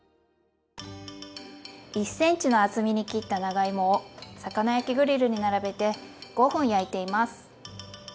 １ｃｍの厚みに切った長芋を魚焼きグリルに並べて５分焼いています。